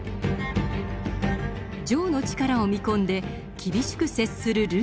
丈の「力」を見込んで厳しく接するルーナ。